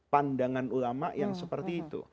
pandangan ulama yang seperti itu